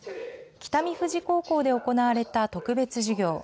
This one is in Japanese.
北見藤高校で行われた特別授業。